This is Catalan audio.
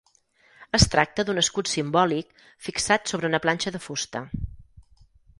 Es tracta d'un escut simbòlic fixat sobre una planxa de fusta.